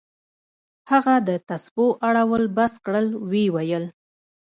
هغه د تسبو اړول بس كړل ويې ويل.